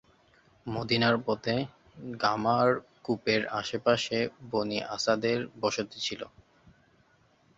মদীনার পথে ‘গামার’ কূপের আশে পাশে বনী আসাদের বসতি ছিলো।